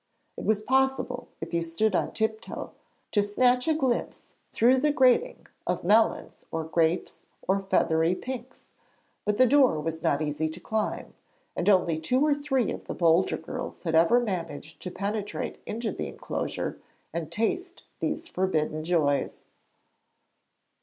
It was possible, if you stood on tiptoe, to snatch a glimpse through the grating of melons or grapes or feathery pinks, but the door was not easy to climb, and only two or three of the bolder girls had ever managed to penetrate into the enclosure and taste these forbidden joys.